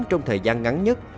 trong thời gian ngắn nhất